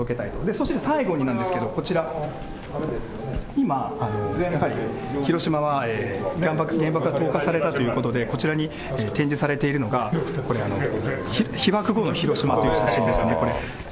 そして最後になんですけれども、こちら、今、広島は原爆が投下されたということで、こちらに展示されているのが、これ、被爆後の広島という写真ですね。